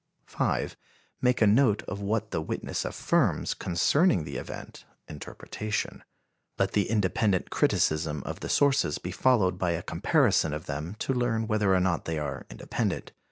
5. Make a note of what the witness affirms concerning the event (interpretation.) Let the independent criticism of the sources be followed by a comparison of them to learn whether or not they are independent.